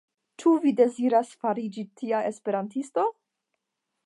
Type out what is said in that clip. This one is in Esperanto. Ĉu vi deziras fariĝi tia Esperantisto?